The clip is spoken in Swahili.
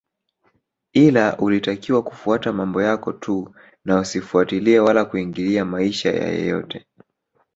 Ila ulitakiwa kufuata mambo yako tu na usifatilie wala kuingilia maisha ya yeyote